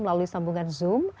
melalui sambungan zoom